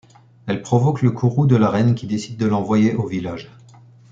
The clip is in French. Elle provoque le courroux de la reine qui décide de l'envoyer au 'Village'.